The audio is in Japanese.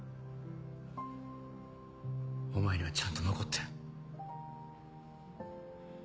お前にはちゃんと残ってる。